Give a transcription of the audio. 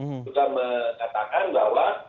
mereka mengatakan bahwa